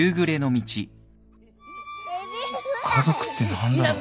家族って何だろう